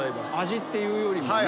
味っていうよりもね。